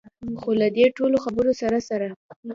خو له دې ټولو خبرو سره سره.